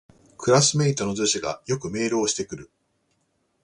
クラスメイトの女子がよくメールをしてくる